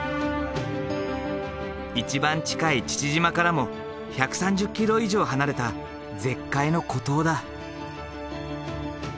１番近い父島からも１３０ｋｍ以上離れた絶海の孤島だ。